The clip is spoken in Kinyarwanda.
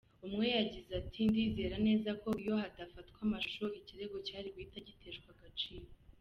Umwe yagize“Ndizera neza ko iyo hadafatwa amashusho, ikirego cyari guhita giteshwa agaciro.